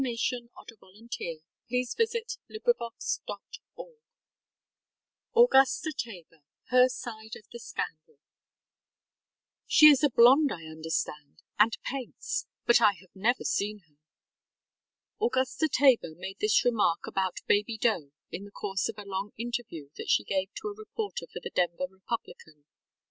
McNICHOLS Governor of Colorado 1957 63 Augusta Tabor: Her Side of the Scandal ŌĆ£She is a blonde, I understand, and paints. But I have never seen her. ŌĆØ Augusta Tabor made this remark about Baby Doe in the course of a long interview that she gave to a reporter for the Denver Republican.